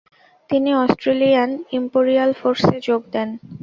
তিনি Australian Imperial ফোর্সে যোগ দেন।